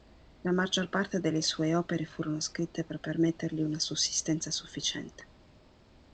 La maggior parte delle sue opere furono scritte per permettergli una sussistenza sufficiente.